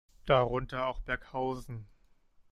Darunter auch Berghausen.